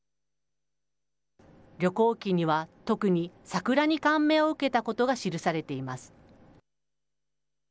旅行記には、特に桜に感銘を受けたことが記されています。